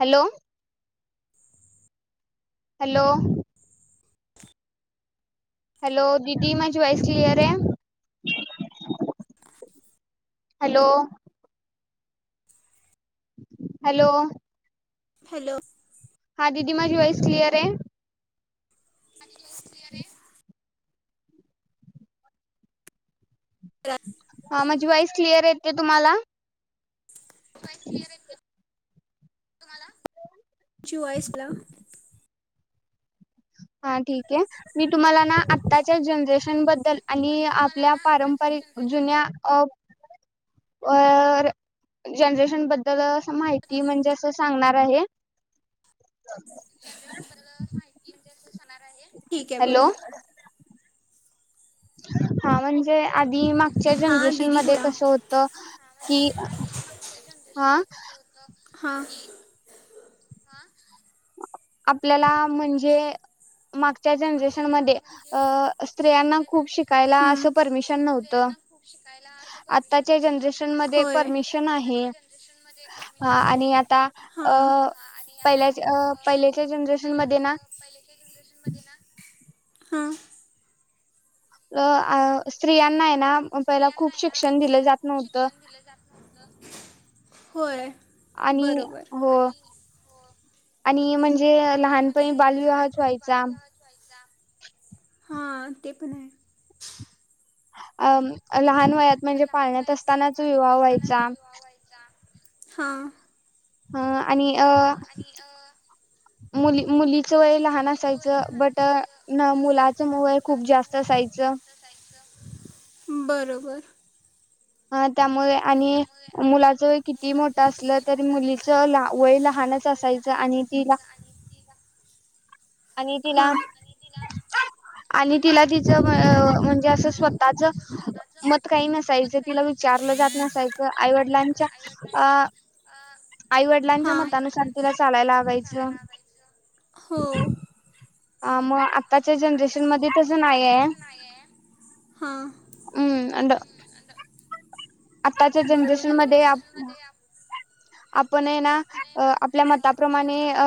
Hello- hello- hello दीदी, माझी voice clear आहे? हॅलो- हॅलो- हॅलो- हा दिदी माझी वॉईस क्लिअर आहे? हां म- वाइस क्लिअर येते तुम्हाला? व्हाईस क्लिअर येत [unintelligible] तुमची वाॉईस [unintelligible] हा ठीक आहे. मी तुम्हाला ना आत्ताच्या जनरेशन बद्दल आणि आपल्या पारंपरिक जुन्या अ अ जनरेशन बद्दल माहिती म्हणजे अस सांगणार आहे. ठीक आहे हॅलो बोला. हा म्हणजे- आधी मागच्या हा जनरेशन दिदी मध्ये बोला कसं होत? कि हा हा. आपल्याला म्हणजे -माग आपल्याला म्हणजे स्त्रियांना मागच्या खूप शिकायला जनरेशनमधे, असं परमिशन हा- नव्हतं. स्त्रीयांना खुप शिकायला असं परमीशन आत्ताच्या नव्हतं. जनरेशन मध्ये होय, परमिशन आहे आत्ताच्या जनरेशन मध्ये परमीशन आणि आहे. आता हा अ आणि आता- पहिल्याच्या आ पहिल्याच्या जनरेशन पहि मध्ये ना पहिल्याच्या जनरेशनमध्ये ना हा. अ आ स्त्रियांना आहे ना पहिला खूप शिक्षण दिलं जात नव्हतं होय. आणि बरोबर हो आणि म्हणजे लहानपणी बालविवाहच व्हायचा. हां ते पण हाय. अम लहान वयात म्हणजे पाळण्यात असतानाच विवाह व्हायचा. हा. ह आणि अ मुली मुलीच वय लहान असायचं, बट मुलाचं वय खूप जास्त असायचं. बरोबर. अ त्यामुळे आणि मुलाच वय किती मोठं असलं तरी मुलीच वय लहानच असायचं. आणि तिला आणि तिला हां आणि तिला तिचं म्हणजे असं स्वतःच मत काही नसायचं विचारलं जात नसायचं, आईवडिलांच्या अ आईवडिलांच्या हां मतानुसार तिला चालायला लावायचं. हो ह मग आत्ताच्या जनरेशन मध्ये तस नाही आहे. हां हम् अड आताच्या जनरेशन बरोबर मध्ये आप आपण हाय ना आपल्या मताप्रमाणे अ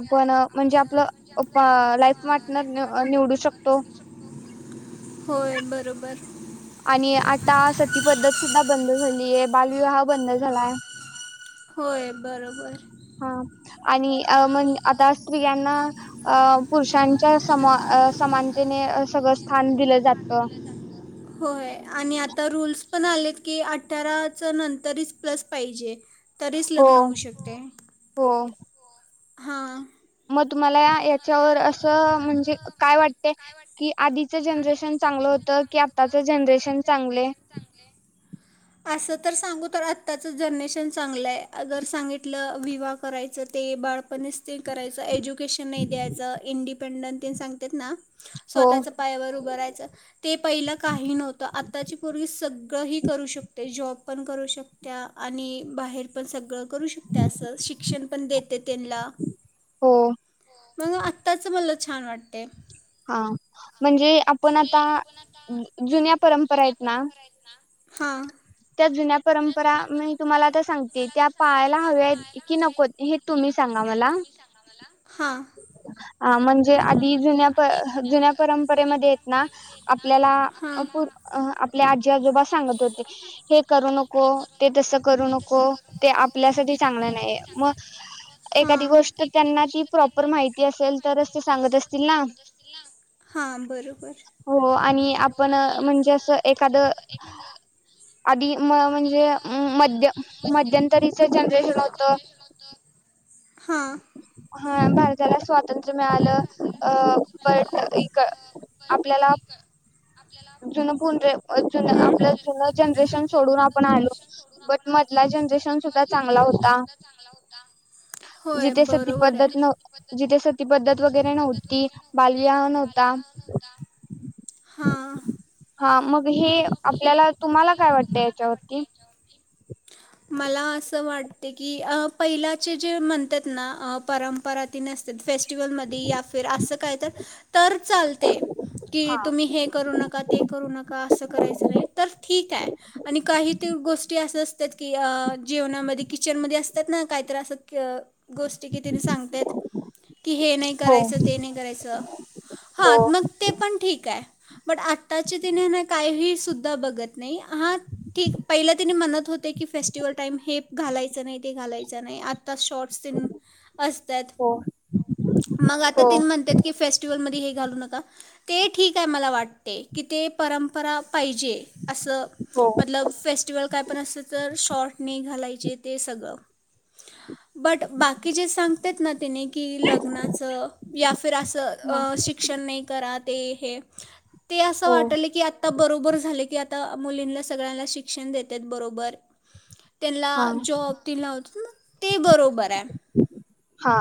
आपण म्हणजे आपलं लाईफ पार्टनर निवडू शकतो. होय बरोबर. आणि आता सती पद्धत सुद्धा बंद झाली. बालविवाह बंद झालाय. होय. बरोबर हा आणि अ म्हण आता स्त्रियांना अ पुरुषांच्या समा समानतेने सगळं स्थान दिलं जात. होय आणि आता रूल्स पण आलेत की अठराच नंतरच प्लस पाहिजे. तरीच हो लग्न होऊ शकते. हो हा. मग तुम्हाला याच्यावर असं म्हणजे काय वाटते, की आधीचं जनरेशन चांगलं होतं, की आत्ताचं जनरेशन चांगलय? असं तर सांगू तर आताच जनरेशन चांगलं आहे. जर सांगितलं विवाह करायचं ते बाळ पण ते करायचं एजू केशन नाहीं द्यायचं. इंडिपें डन सांगतात ना हो स्वतःच्या पायावर उभरायच. ते पहिलं काही नव्हतं आताची पोर्गी सगळं ही करू शकते जॉब पण करू शकत. आणि बाहेर पण सगळं करू शकते अस, शिक्षण पण देते त्यांना हो मग आत्ताच मला छान वाटते. हा म्हणजे आपण आता, जुन्या परंपरा आहेत ना. त्या जुन्या त्या परंपरा जुन्या मी परंपरा तुम्हाला आता म्हण सांगते तुम्हाला त्या आता सांगते पाळायला त्या हव्या आहेत पाळायला की हव्या नको हे आहेत कि तुम्ही नको सांगा हे मला तुम्ही सांगा मला? हा. ह म्हणजे आधी जुन्या जुन्या परंपरेमध्ये आपल्याला हां आपण अ आपले आजी आजोबा सांगत होते हे करू नको ते तसं करू नको ते आपल्यासाठी चांगलं नाही मग एखादी हां गोष्ट त्यांना ती प्रॉपर माहिती असेल तरच ते सांगत असतील ना. हां बरोबर हो आणि आपण म्हणजे असं एखाद. आधी म म्हणजे मध्य मध्यंतरीचं जनरेशन होत. हां हा भारी झालं असत. स्वातंत्र मिळालं अ पण इ आपल्याला..... जुनं जुनं हं. आपलं जुन जनरेशन सोडून आपण आलो बट मधला जनरेशन सुद्धा चांगला होता होय जिथे सती पद्धत जिथे सती पद्धत.... सती वगैरे पद्धत नव्हती वगैरे नव्हती बालविवाह नव्हता बालविवाह नवता हा. हा मग हे आपल्याला तुम्हाला काय वाटतं याच्यावरती? मला असं वाट की पहिलाचे जे म्हणतात ना परंपरा ती नसतेत. फेस्टिवल मध्ये असं काय तर तर चालते की हा तुम्ही हे करू नका ते करू नका. असं करायचं नाही तर ठीक आहे आणि काही ते गोष्टी असं असतात की जेवणामध्ये किचनमध्ये असतात ना काहीत असं.. गोष्ट किती सांगत की हे नाही हो करायचं ते नाही करायचं हो ह मग ते पण ठीक आहे पण आता....... तिने ह काही सुद्धा बघत नाही हा ठीक पहिला तिने म्हणत होते की फेस्टिवल टाइम हे घालायचं नाही ते घालायचं नाही. शॉर्ट तेन असतात हो मग आता हो त्यांनी म्हणतात फेस्टिवल मध्ये हे घालू नका. ते ठीक आहे मला वाटते की ते.. परंपरा पाहिजे असं हो मतलब फेस्टिवल काय पण असलं तर.. शॉट नाही घालायचे ते सगळं. बट बाकी जे सांग.. सांगतात ना त्यांनी. की लग्नाचं या फिर हा असं शिक्षण नाही करात. ते हे. ते असं हो वाटतं. आता बरोबर झालं की आता मुलींना सगळ्यांना शिक्षण देत बरोबर. त्यांना हा जॉब दिला होता मग ते बरोबर आहे. हा.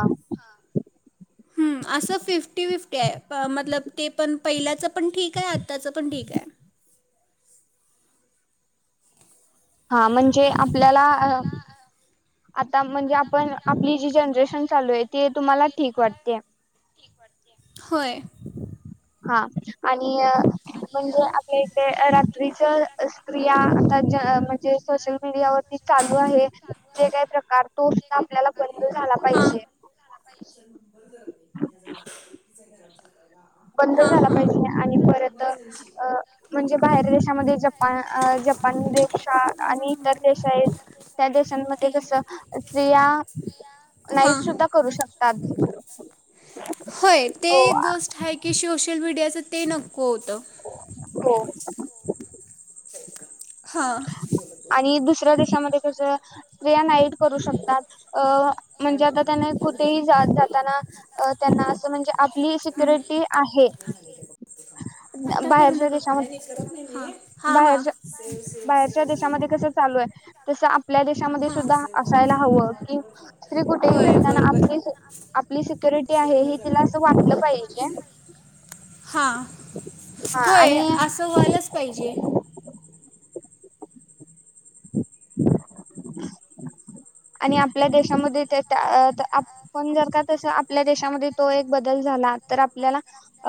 हम असं फिफ्टी फिफ्टी आहे मतलब ते पण पहिल्याच पण ठीक आहे आत्ताच पण ठीक आहे. हा म्हणजे आपल्याला... आता म्हणजे आपण आपली जी जनरेशन चालू आहे ते तुम्हाला ठीक वाटत्या. होय. हा आणि म्हणजे आपल्या इकडे रात्रीच स्क्रिया आता म्हणजे सोशल मीडियावररती चालू आहे जे काही प्रकार तो आपल्याला बंद झाला पाहिजे. बंद हां झाला हां पाहिजे आणि परत अ म्हणजे बाहेर दे शामद्ये जपान जपान देश माझा आणि इतर नंबर द्या. देश आहे त्या देशांमध्ये ठीक कस आहे स्त्रिया नाईट हां सुद्धा करू शकतात. होय ते हो एक गोष्ट हाय. कि शोशल मीडियाचं ते नको होतं. होय. हा. हा आणि दुसऱ्या देशामध्ये कसं स्त्रिया नाईट करू शकतात अ म्हणजे आता त्यांना कुठेही जात जाताना अ त्यांना असं म्हणजे आपली सिक्युरिटी आहे आता करू बाहेरच्या नका कॉल देशामध्ये हा. हां हां. बाहेरच्या बाहेरच्या देशामध्ये कस चालू आहे तस आपल्या देशामध्ये सुद्धा हां असायला हवं कि स्त्री कुठेही होय भेटताना बरोबर आपली आपली सिक्युरिटी आहे हे तिला अस वाटलं पाहिजे. हां हा होय आणि असं व्हायलाचं पाहिजे. [inaudible] आणि आपल्या देशामध्ये जर का तस आपल्या देशामध्ये तो एक बदल झाला तर. ल्याला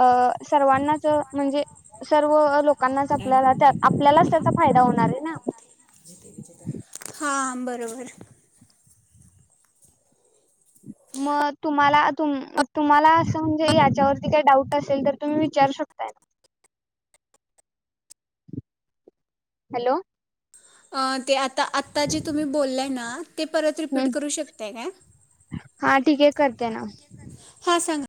अ सर्वांनाच म्हणजे सर्व लोकांनाच आपल्याला आपल्यालाच त्याचां फायदा होणार आहे ना. हां बरोबर. मग तुम्हाला तुम्हाला असं म्हणजे याच्यावरती काही डाऊट असेल तर तुम्ही विचारू शकताय. हॅलो अ ते आ ता आता जे तुम्ही बोललाय ना ते परत हम्म रिपीट करू शकताय का. हा ठीक आहे करते ना हा सांगा.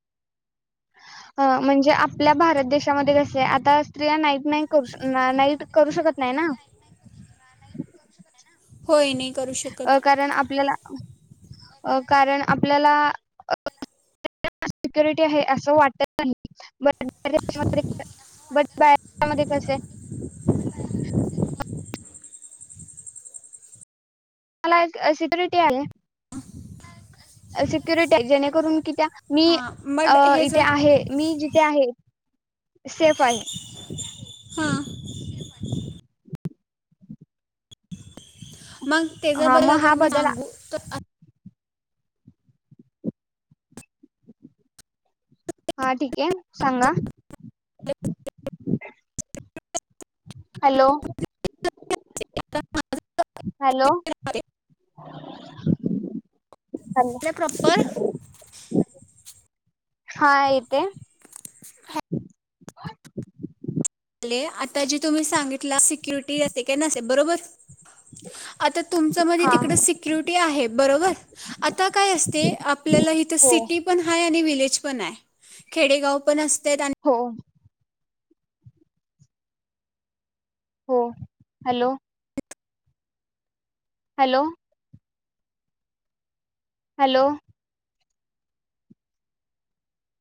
अ म्हणजे आपल्या भारत देशामध्ये कसे आता स्त्रिया नाट ना करू नाईट करू शकत नाही ना. होय नाही. करू अ शकत कारण आपल्याला अ कारण आपल्याला सिक्युरिटी आहे असं वाटत नाही बश ब बशामध्ये कस आहे. मला एक सिक्युरिटी आहे. सिक्युरिटी जेणेकरून कि त्या मी हां अ मग हे इथे जर आहे, मी जिथे आहे. सेफ आहे. हां मग हा त्याचाबल मग अर हा मी बदल सांगू तर हा ठीक आहे सांगा. ह [inaudible] हॅलो [inaudible] हॅलो आपल्या प्रॉपर हॅलो. हा येत. ले आता जी तुम्ही सांगितला सिक्युरिटी असे का नसे बरोबर. आता तुमच्या मजे हा तिकड सिक्युरटी आहे बरोबर आता काय असते. आपल्याला इथ हो सिटी पण आहे आणि विलेज पण आय खेडेगाव पण अस हो हो hello hello. Hello.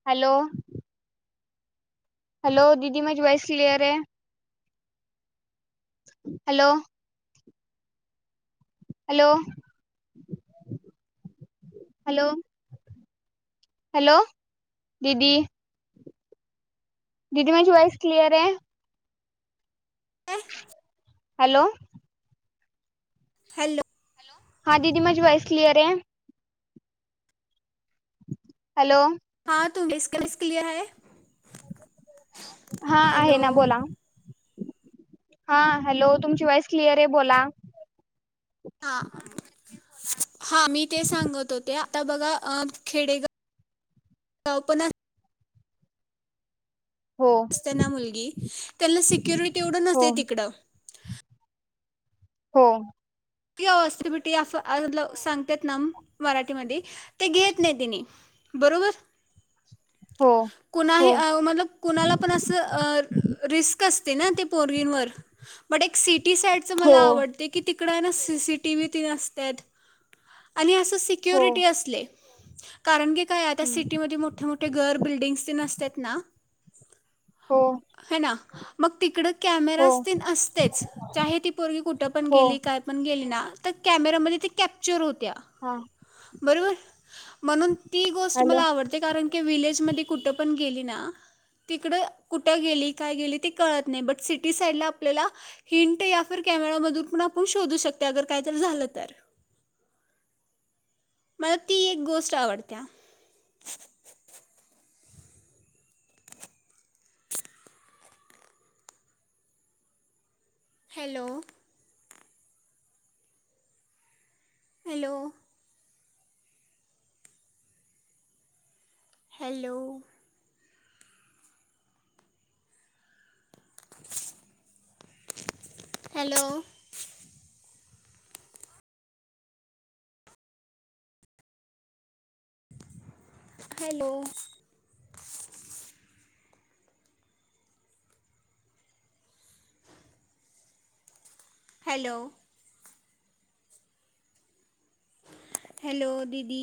Hello. Hello दीदी माजी व्हॉइस क्लियर आहे. हॅलो. हॅलो हॅलो हॅलो दीदी. दिदी माझी वॉइस क्लियर आहे. हॅलो. हॅलो. हा दीदी माजी वाॅयस क्लिअरे. हॅलो. [unintelligible] हा आहे हॅलो ना, बोला. हा हॅलो तुमची वॉइस क्लिअर आहे, बोला. हा हा मी ते सांगत होते. आता बघा खेडेगाव पण हो असते ना मुलगी त्याना सिक्युरिटी एवढं हो नसते तिकडं. हो. की स्टिबिटी सांगते ना. मराठीमध्ये ते घेत नाही तेनी. बरोबर. हो कुणाही हो अ म कुणाला पण असं अ रिस्क असते ना, ते पोंरीनवर बट एक सीट टी साईड चं हो मला आवडते कि इकड ना सीसिटीवी त्येन असतात. आणि अस त हो सिक्युिरिटी असले- कारण की- काय आता हम्म, सिटीमध्ये मोठे मोठे घर बिल्डिंग्स तेन सतात ना? हो है ना. मग तिकडं हो कॅमेरास तेन असतेच चाहे ती पर्गी कुठ पण हो गेली का गेली ना. कॅमेरामध्ये ते कॅप्चर हो त्या हा -बरोबर. म्हणून ती गोष्ट हॅलो मला आवडते. कारण की व्हि लेजमध्ये कुटपण गेली ना, तीकडे कुठं गेली काय गेलीते कळत नाही बँक सीटी साईडला आपल्याला हींट या फीर क्यामेरा मधुण पण आपने पुश शोधू शकतंय अगर काय तर झाल तर, मला ती एक गोष्ट आवडते. Hello. Hello. Hello. Hello. Hello. Hello. Hello दिदी-